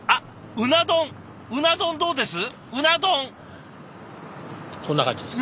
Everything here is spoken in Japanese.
うな丼どうです？